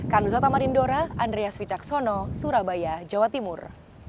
kan zatamarindora andreas wicaksono surabaya jawa timur